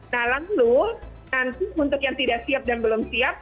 nah lalu nanti untuk yang tidak siap dan belum siap